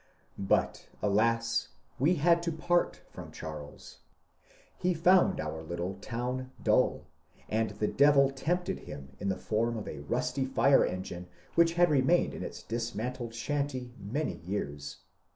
But alas, we bad to part from Cbarles. He found our little town dull, and the devil tempted bim in tbe form of a rusty fire engine which bad remained in its dismantled shanty many years.